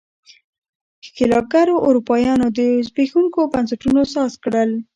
ښکېلاکګرو اروپایانو زبېښونکو بنسټونو ساز کړل.